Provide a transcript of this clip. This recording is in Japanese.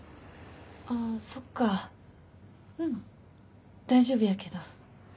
あぁそっかうん大丈夫やけど。